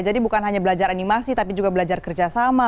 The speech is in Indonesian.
jadi bukan hanya belajar animasi tapi juga belajar kerjasama